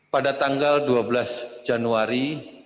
pada tanggal dua belas januari dua ribu dua puluh